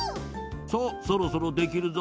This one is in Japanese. さあそろそろできるぞ。